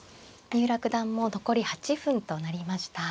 三浦九段も残り８分となりました。